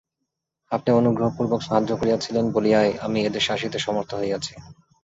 আপনি অনুগ্রহপূর্বক সাহায্য করিয়াছিলেন বলিয়াই আমি এদেশে আসিতে সমর্থ হইয়াছি।